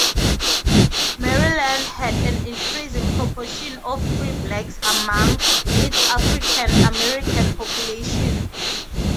Maryland had an increasing proportion of free blacks among its African-American population.